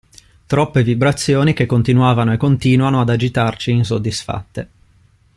Troppe vibrazioni che continuavano e continuano ad agitarci insoddisfatte.